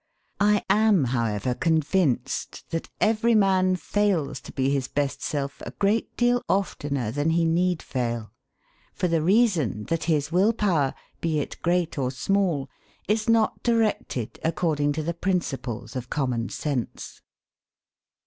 I am, however, convinced that every man fails to be his best self a great deal oftener than he need fail for the reason that his will power, be it great or small, is not directed according to the principles of common sense.